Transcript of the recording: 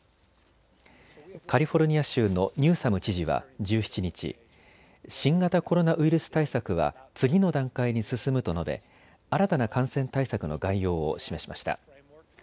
カリフォルニア州のニューサム知事は１７日、新型コロナウイルス対策は次の段階に進むと述べ新たな感染対策の概要を示しました。